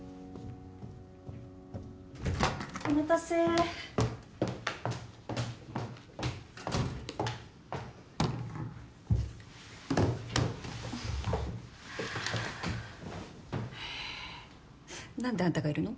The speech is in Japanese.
お待たせ何であんたがいるの？